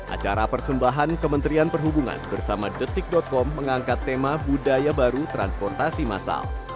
acara persembahan kementerian perhubungan bersama detik com mengangkat tema budaya baru transportasi masal